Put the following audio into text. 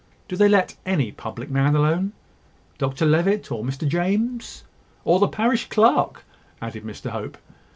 "Do they let any public man alone? Dr Levitt, or Mr James?" "Or the parish clerk?" added Mr Hope.